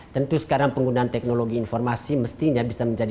tentu sekarang penggunaan teknologi informasi mestinya bisa menjadi